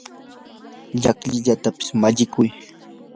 laqlaykita mallikuy.